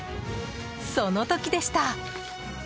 その時でした！